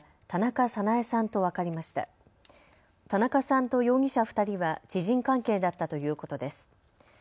田中さんと容疑者２人は知人関係だったということです。